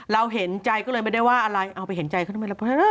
เห็นใจก็เลยไม่ได้ว่าอะไรเอาไปเห็นใจเขาทำไมล่ะ